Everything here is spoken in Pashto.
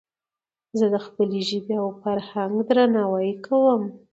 زه د خپلي ژبي او فرهنګ درناوی کوم.